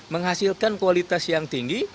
menghasilkan kualitas yang tinggi